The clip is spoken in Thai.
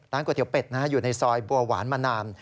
ร้านก๋วยเตี๋ยวเป็ดอยู่ในซอยบัวหวานมานาน